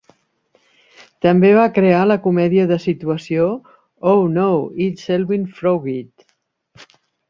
També va crear la comèdia de situació "Oh No, It's Selwyn Froggitt!